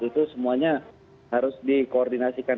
itu semuanya harus dikoordinasikan